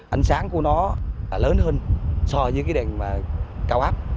ánh sáng của nó là lớn hơn so với cái đèn mà cao áp